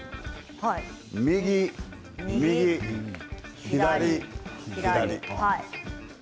右、右、左、左。